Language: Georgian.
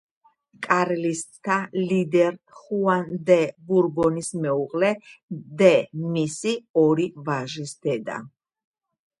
კარლისტთა ლიდერ ხუან დე ბურბონის მეუღლე დე მისი ორი ვაჟის დედა.